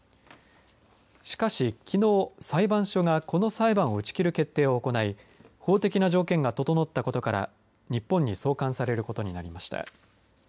しかし、きのう裁判所がこの裁判を打ち切る決定を行い法的な条件が整ったことから日本に送還されることになりました。